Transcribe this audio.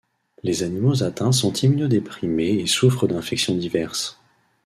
Les animaux atteints sont immunodéprimés et souffrent d'infections diverses.